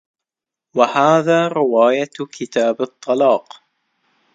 وَهَذَا رِوَايَةُ كِتَابِ الطَّلَاقِ